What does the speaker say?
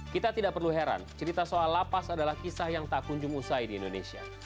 kita tidak perlu heran cerita soal lapas adalah kisah yang tak kunjung usai di indonesia